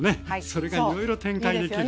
それがいろいろ展開できると。